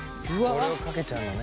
これをかけちゃうのね。